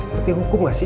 berarti hukum gak sih